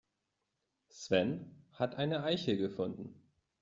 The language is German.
Sven hat eine Eichel gefunden.